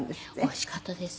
おいしかったです。